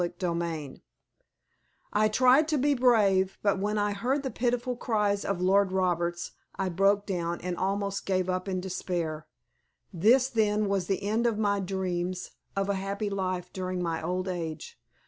CHAPTER VII I tried to be brave, but when I heard the pitiful cries of Lord Roberts, I broke down and almost gave up in despair. This, then, was the end of my dreams of a happy life during my old age.